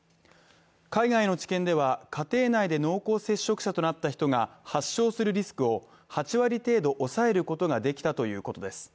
海外の治験では家庭内で濃厚接触者となった人が発症するリスクを８割程度抑えることができたということです。